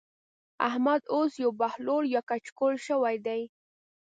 احمد اوس يو بهلول يو کچکول شوی دی.